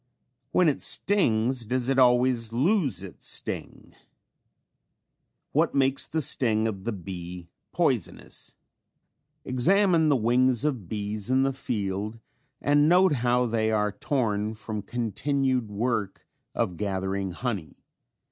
When it stings does it always lose its sting? What makes the sting of the bee poisonous? Examine the wings of bees in the field and note how they are torn from continued work of gathering honey.